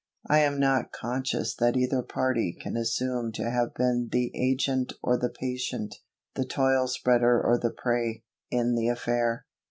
I am not conscious that either party can assume to have been the agent or the patient, the toil spreader or the prey, in the affair.